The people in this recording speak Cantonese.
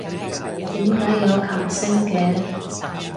點解有琴聲嘅？